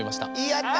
やった！